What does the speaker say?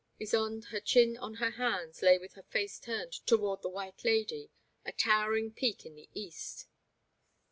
Ysonde, her chin on her hands, lay with her face turned toward the White I^ady, a towering peak in the east.